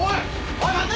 おい待て！